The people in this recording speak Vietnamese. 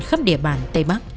trên khắp địa bàn tây bắc